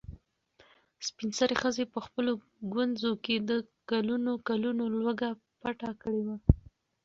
سپین سرې ښځې په خپلو ګونځو کې د کلونو کلونو لوږه پټه کړې وه.